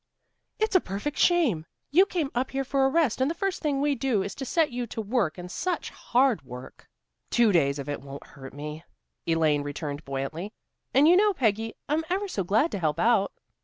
"It's a perfect shame! You came up here for a rest, and the first thing we do is to set you to work and such hard work." "Two days of it won't hurt me," Elaine returned buoyantly. "And you know, Peggy, I'm ever so glad to help out."